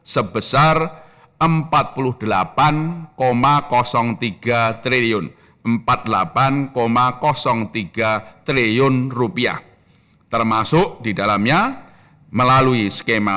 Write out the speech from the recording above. sebesar rp empat puluh delapan tiga triliun termasuk didalamnya melalui skema